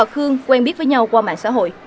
khương quen biết với nhau qua mạng xã hội